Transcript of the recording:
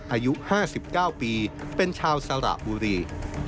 อายุ๕๙ปีเป็นชาวสระบุรี